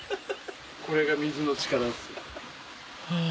これが水の力です。